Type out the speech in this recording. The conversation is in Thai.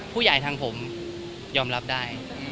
ผู้ใหญ่ทางผมยอมรับได้